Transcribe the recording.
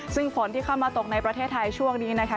ซึ่งฝนที่เข้ามาตกในประเทศไทยช่วงนี้นะคะ